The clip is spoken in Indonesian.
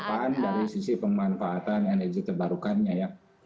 seperti itu adalah arah arah ke depan dari sisi pemanfaatan energi terbarukannya ya